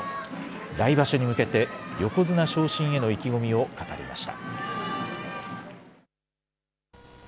来場所に向けて横綱昇進への意気込みを語りました。